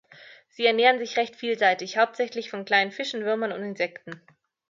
Sie ernähren sich recht vielseitig, hauptsächlich von kleinen Fischen, Würmern und Insekten.